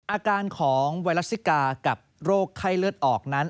อาการของไวรัสซิกากับโรคไข้เลือดออกนั้น